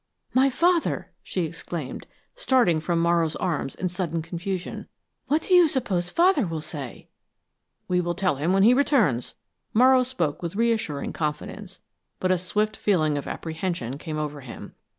"My father!" she exclaimed, starting from Morrow's arms in sudden confusion. "What do you suppose Father will say?" "We will tell him when he returns." Morrow spoke with reassuring confidence, but a swift feeling of apprehension came over him.